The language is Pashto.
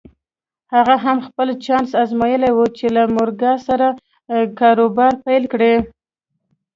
هغه هم خپل چانس ازمايلی و چې له مورګان سره کاروبار پيل کړي.